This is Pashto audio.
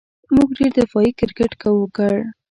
موږ ډېر دفاعي کرېکټ وکړ.